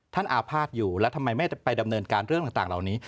อาภาษณ์อยู่แล้วทำไมไม่ไปดำเนินการเรื่องต่างเหล่านี้